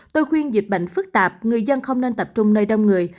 tôi khuyên dịch bệnh phức tạp người dân không nên tập trung nơi đông người